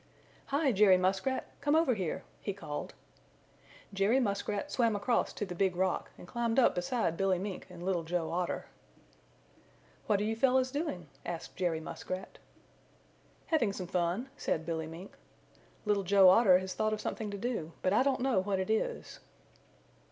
"Hi, Jerry Muskrat! Come over here!" he called. Jerry Muskrat swam across to the Big Rock and climbed up beside Billy Mink and Little Joe Otter. "What are you fellows doing?" asked Jerry Muskrat. "Having some fun," said Billy Mink. "Little Joe Otter has thought of something to do, but I don't know what it is."